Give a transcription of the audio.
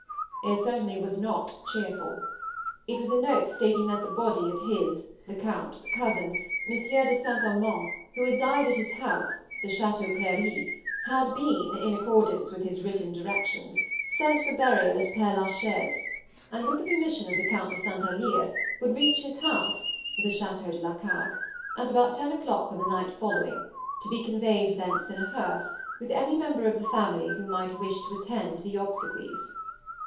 It certainly was not cheerful. It was a note stating that the body of his, the Count's cousin, Monsieur de St. Amand, who had died at his house, the Château Clery, had been, in accordance with his written directions, sent for burial at Père la Chaise, and, with the permission of the Count de St. Alyre, would reach his house (the Château de la Carque) at about ten o'clock on the night following, to be conveyed thence in a hearse, with any member of the family who might wish to attend the obsequies.